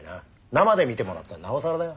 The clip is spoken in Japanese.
生で見てもらったらなおさらだよ。